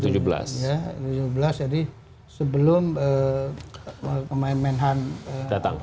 jadi sebelum menhan datang